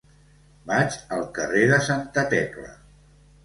Vaig al carrer de Santa Tecla.